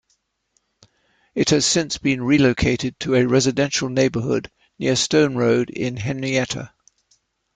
It has since been relocated to a residential neighborhood near Stone Road in Henrietta.